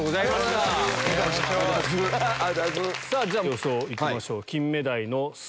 じゃ予想いきましょう。